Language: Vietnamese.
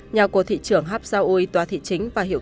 nhà của thị trưởng habsaoui tòa thị chính và hiệu quả